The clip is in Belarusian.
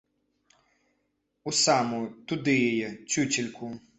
У самую, туды яе, цюцельку!